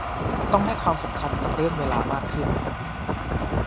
ต้องให้ความสำคัญกับเรื่องเวลามากขึ้น